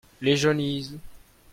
Les johnnies.